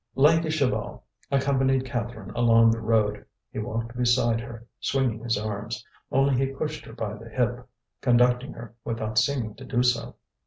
Lanky Chaval accompanied Catherine along the road. He walked beside her, swinging his arms; only he pushed her by the hip, conducting her without seeming to do so.